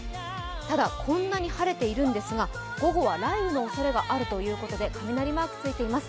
ただ、こんなに晴れているんですが午後は雷雨のおそれがあるということで雷マークついています。